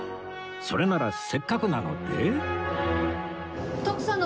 それならせっかくなので